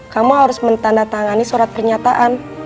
kamu harus mentanda tangani surat pernyataan